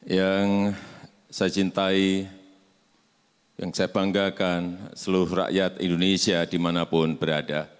yang saya cintai yang saya banggakan seluruh rakyat indonesia dimanapun berada